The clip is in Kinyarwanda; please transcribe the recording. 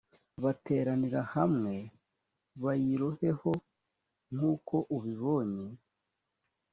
bateranira hamwe bayiroheho nk’uko ubibonye